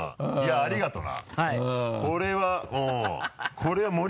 ありがとうな。